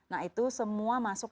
nah itu semua masuk